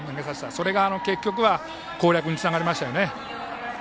それが結局は攻略につながりましたよね。